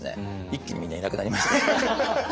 一気にみんないなくなりまして。